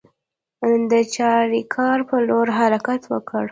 د چاریکار پر لور حرکت وکړ.